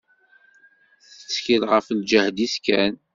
Tettkel ɣef lǧehd-is kan.